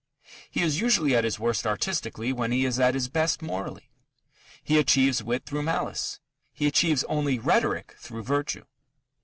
He is usually at his worst artistically when he is at his best morally. He achieves wit through malice: he achieves only rhetoric through virtue.